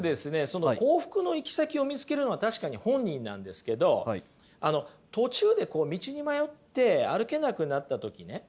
その幸福の行き先を見つけるのは確かに本人なんですけどあの途中でこう道に迷って歩けなくなった時ね